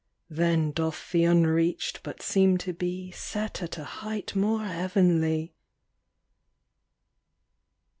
Then doth the unreach'd but seem to be Set at a height more heavenly.